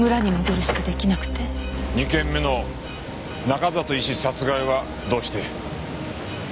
２件目の中里医師殺害はどうして？